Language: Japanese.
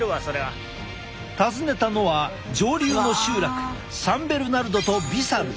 訪ねたのは上流の集落サン・ベルナルドとビサル。